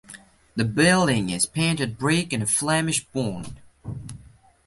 The building is painted brick in Flemish bond.